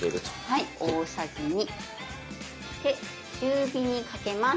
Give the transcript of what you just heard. はい大さじ２。で中火にかけます。